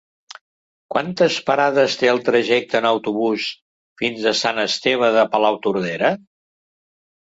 Quantes parades té el trajecte en autobús fins a Sant Esteve de Palautordera?